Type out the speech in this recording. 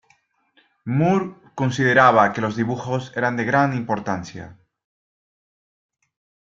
Moore consideraba que los dibujos eran de gran importancia.